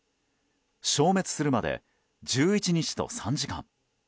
消滅するまで１１日と３時間。